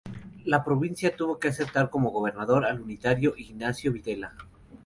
La provincia tuvo que aceptar como gobernador al unitario Ignacio Videla.